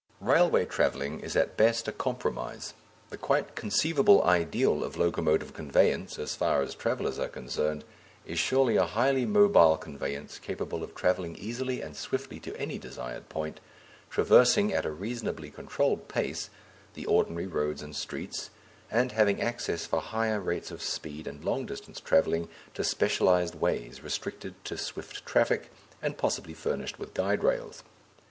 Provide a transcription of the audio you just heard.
Railway travelling is at best a compromise. The quite conceivable ideal of locomotive convenience, so far as travellers are concerned, is surely a highly mobile conveyance capable of travelling easily and swiftly to any desired point, traversing, at a reasonably controlled pace, the ordinary roads and streets, and having access for higher rates of speed and long distance travelling to specialized ways restricted to swift traffic, and possibly furnished with guide rails.